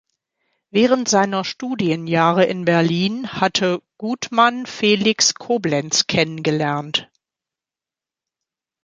Während seiner Studienjahre in Berlin hatte Gutmann Felix Coblenz kennengelernt.